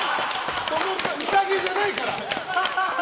宴じゃないから！